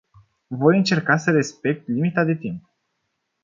Voi încerca să respect limita de timp.